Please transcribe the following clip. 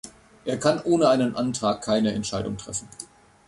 Er kann ohne einen Antrag keine Entscheidung treffen.